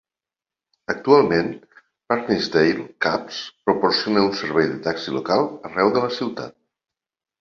Actualment, "Bairnsdale Cabs" proporciona un servei de taxi local arreu de la ciutat.